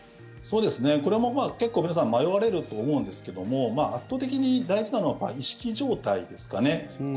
これも、結構皆さん迷われると思うんですけども圧倒的に大事なのは意識状態ですかね。